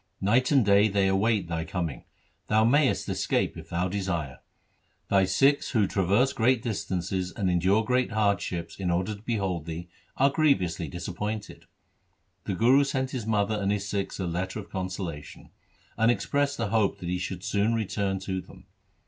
Night and day they await thy coming ; thou may est escape if thou desire. Thy Sikhs who traverse great distances and endure great hardships in order to behold thee, are grievously disappointed.' The Guru sent his mother and his Sikhs a letter of consolation, and expressed a hope that he should soon return to them.